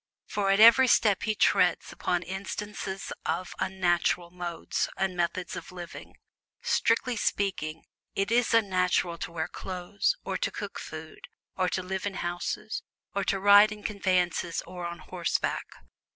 For at every step he treads upon instances of "unnatural" modes and methods of living. Strictly speaking, it is "unnatural" to wear clothes, or to cook food, or to live in houses, or to ride in conveyances or on horseback.